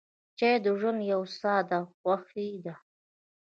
چای د ژوند یوه ساده خوښي ده.